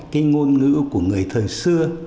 cái ngôn ngữ của người thời xưa